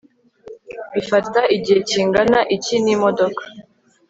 bifata igihe kingana iki n'imodoka